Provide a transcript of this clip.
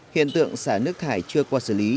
hiện tượng xả nước thải chưa qua xử lý